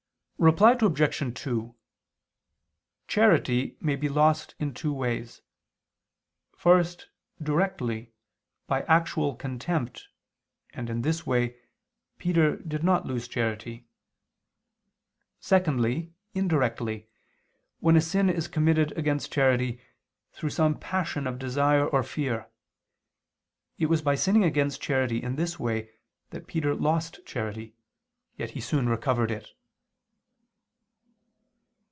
Reply Obj. 2: Charity may be lost in two ways; first, directly, by actual contempt, and, in this way, Peter did not lose charity. Secondly, indirectly, when a sin is committed against charity, through some passion of desire or fear; it was by sinning against charity in this way, that Peter lost charity; yet he soon recovered it.